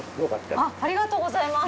ありがとうございます。